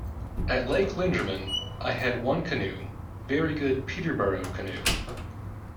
At Lake Linderman I had one canoe, very good Peterborough canoe.